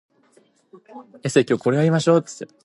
He is interred at Evergreen Cemetery in Oconto.